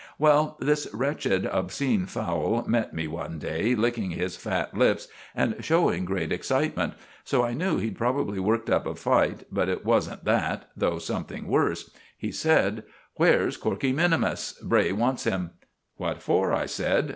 Well, this wretched, obscene Fowle met me one day licking his fat lips and showing great excitement. So I knew he'd probably worked up a fight; but it wasn't that, though something worse. He said: "Where's Corkey minimus? Bray wants him." "What for?" I said.